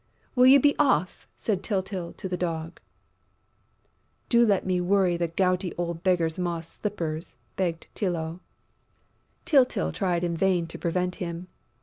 "Will you be off!" said Tyltyl to the Dog. "Do let me worry the gouty old beggar's moss slippers!" begged Tylô. Tyltyl tried in vain to prevent him.